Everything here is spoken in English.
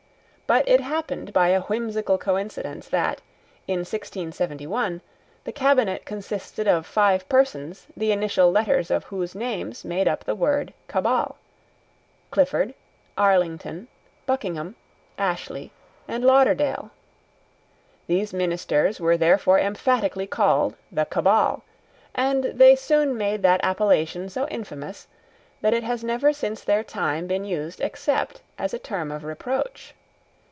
But it happened by a whimsical coincidence that, in 1671, the Cabinet consisted of five persons the initial letters of whose names made up the word Cabal; Clifford, Arlington, Buckingham, Ashley, and Lauderdale. These ministers were therefore emphatically called the Cabal; and they soon made that appellation so infamous that it has never since their time been used except as a term of reproach.